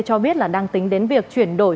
cho biết là đang tính đến việc chuyển đổi